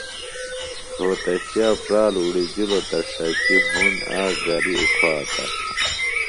رھوتشِیہ پرال اڑِجِلوۡ تہ ݜچیۡ ہُنڈ آک غریۡ اُکھاتہ